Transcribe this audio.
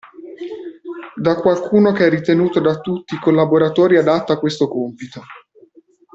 Da qualcuno che è ritenuto da tutti i collaboratori adatto a questo compito.